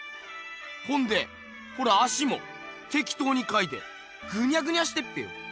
ほんでこの足もてきとうにかいてぐにゃぐにゃしてっぺよ。